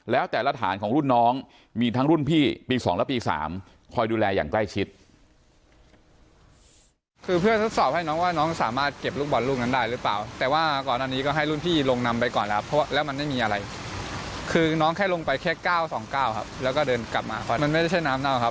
แล้วแต่ละฐานของรุ่นน้องมีทั้งรุ่นพี่ปี๒และปี๓คอยดูแลอย่างใกล้ชิด